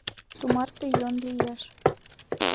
Тумарте йӧн лиеш.